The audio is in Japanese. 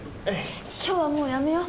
今日はもうやめよう。